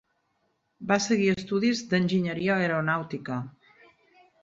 Va seguir estudis d'enginyeria aeronàutica.